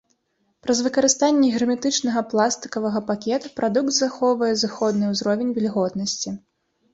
Праз выкарыстанне герметычнага пластыкавага пакета прадукт захоўвае зыходны ўзровень вільготнасці.